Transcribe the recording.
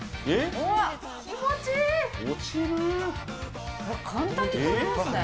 気持ちいい！